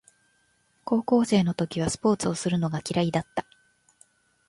高校生の時はスポーツをするのが嫌いだった